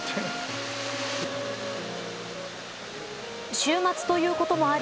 週末ということもあり